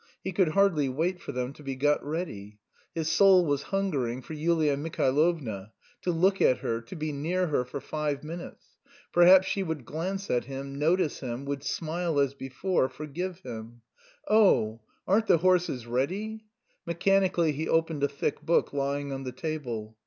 He could hardly wait for them to be got ready. His soul was hungering for Yulia Mihailovna to look at her, to be near her for five minutes; perhaps she would glance at him, notice him, would smile as before, forgive him... "O oh! Aren't the horses ready?" Mechanically he opened a thick book lying on the table.